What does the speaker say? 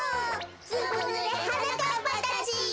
ずぶぬれはなかっぱたち！